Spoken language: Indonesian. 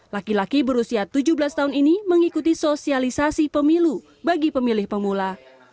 laki laki berusia tujuh belas tahun ini mengikuti sosialisasi pemilu bagi pemilih pemula